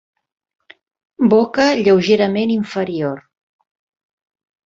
Boca lleugerament inferior.